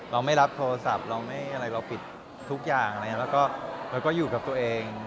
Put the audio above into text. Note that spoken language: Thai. เราไม่รับโทรศัพท์เราปิดทุกอย่างเราก็อยู่กับตัวเอง